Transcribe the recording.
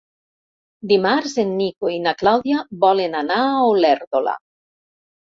Dimarts en Nico i na Clàudia volen anar a Olèrdola.